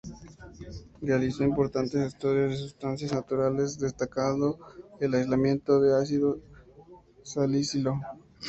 Realizó importantes estudios de sustancias naturales destacando el aislamiento del ácido salicílico.